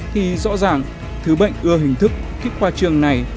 thì rõ ràng thứ bệnh ưa hình thức thích hoa trương này